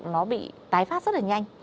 nó bị tái phát rất là nhanh